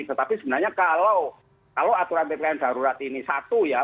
tetapi sebenarnya kalau aturan ppkm darurat ini satu ya